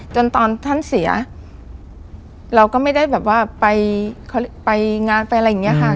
ตอนท่านเสียเราก็ไม่ได้แบบว่าไปงานไปอะไรอย่างนี้ค่ะ